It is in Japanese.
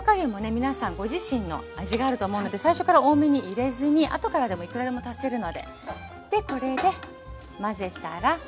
皆さんご自身の味があると思うので最初から多めに入れずにあとからでもいくらでも足せるので。